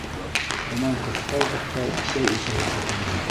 Унан ҡыҫтай-ҡыҫтай сәй эсерергә тотондо.